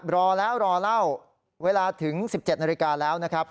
รอแล้วรอแล้วเวลาถึง๑๗นาฬิกาแล้ว